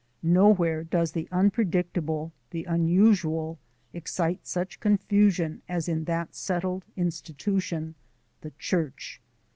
Nowhere does the unpredictable, the unusual, excite such confusion as in that settled institution the church.